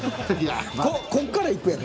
こっからいくやろ。